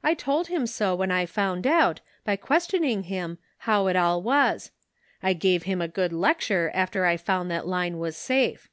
1 told him so when I found out, by questioning him, how it all was. I gave him a good lecture after I found that Line was safe.